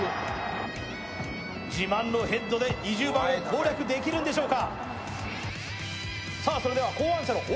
自慢のヘッドで２０番を攻略できるんでしょうか。